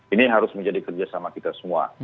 ini harus menjadi kerjasama kita semua